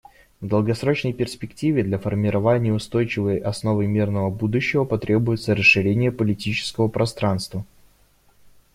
В долгосрочной перспективе для формирования устойчивой основы мирного будущего потребуется расширение политического пространства.